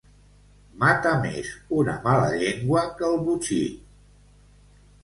Mata més una mala llengua que el botxí.